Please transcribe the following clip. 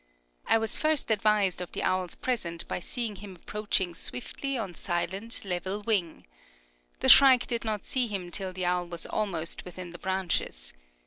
I was first advised of the owl's presence by seeing him approaching swiftly on silent, level wing. The shrike did not see him till the owl was almost within the branches.